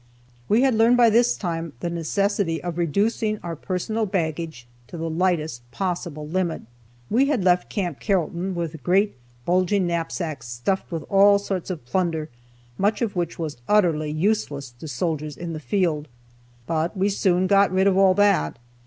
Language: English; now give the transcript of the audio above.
We had learned by this time the necessity of reducing our personal baggage to the lightest possible limit. We had left Camp Carrollton with great bulging knapsacks, stuffed with all sorts of plunder, much of which was utterly useless to soldiers in the field. But we soon got rid of all that.